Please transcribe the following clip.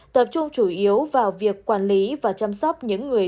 tập trung chủ yếu vào việc quản lý và chăm sóc những người